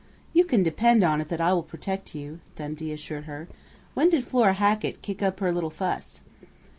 "You can depend on it that I will protect you," Dundee assured her. "When did Flora Hackett kick up her little fuss?"